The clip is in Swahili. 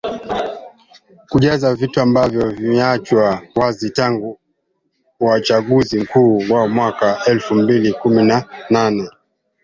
Kujaza viti ambavyo vimeachwa wazi tangu uachaguzi mkuu wa mwaka elfu mbili kumi na nane.